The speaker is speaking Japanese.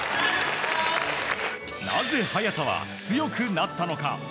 なぜ早田は強くなったのか。